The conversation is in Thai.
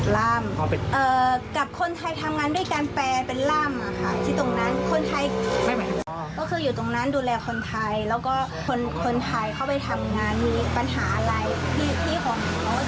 แล้วก็คนไทยเข้าไปทำงานมีปัญหาอะไรที่ของเขาก็จะช่วยเหลือทุกอย่าง